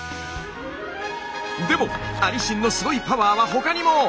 でもアリシンのすごいパワーは他にも！